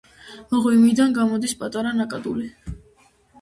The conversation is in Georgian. მღვიმიდან გამოდის პატარა ნაკადული.